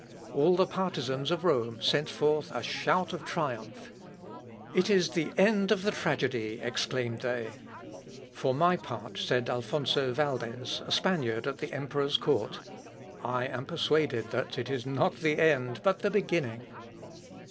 All the partisans of Rome sent forth a shout of triumph. "It is the end of the tragedy," exclaimed they. "For my part," said Alphonso Valdez, a Spaniard at the emperor's court, "I am persuaded it is not the end but the beginning."